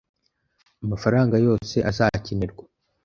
amafaranga yose azakenerwa